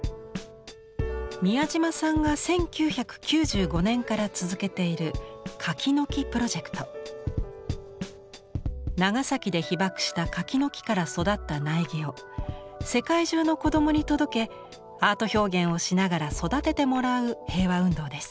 宮島さんが１９９５年から続けている長崎で被爆した柿の木から育った苗木を世界中の子どもに届けアート表現をしながら育ててもらう平和運動です。